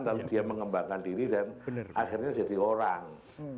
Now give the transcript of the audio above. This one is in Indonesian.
dan dia mengembangkan diri dan akhirnya jadi orang